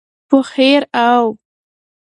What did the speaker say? په خیر او